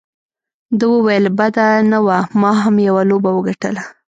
ده وویل: بده نه وه، ما هم یوه لوبه وګټله.